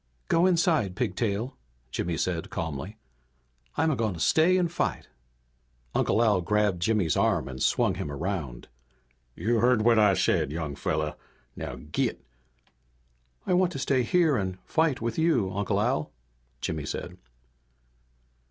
"Go inside, Pigtail," Jimmy said, calmly. "I'm a going to stay and fight!" Uncle Al grabbed Jimmy's arm and swung him around. "You heard what I said, young fella. Now git!" "I want to stay here and fight with you, Uncle Al," Jimmy said.